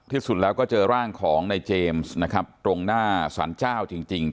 ที่สุดแล้วก็เจอร่างของในเจมส์นะครับตรงหน้าสารเจ้าจริง